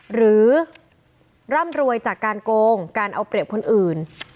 ร่ำรวยจากการโกงการเอาเปรียบคนอื่น